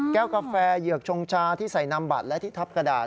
กาแฟเหยือกชงชาที่ใส่นำบัตรและที่ทับกระดาษ